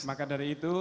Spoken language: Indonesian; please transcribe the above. maka dari itu